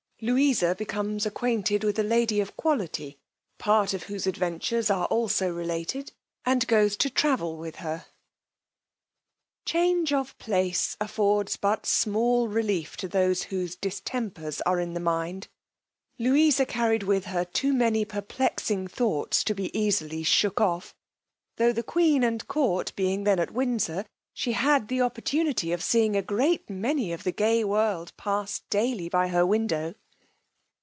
IV. Louisa becomes acquainted with a lady of quality, part of whose adventures are also related, and goes to travel with her. Change of place affords but small relief to those whose distempers are in the mind: Louisa carried with her too many perplexing thoughts to be easily shook off; tho' the queen and court being then at Windsor, she had the opportunity of seeing a great many of the gay world pass daily by her window.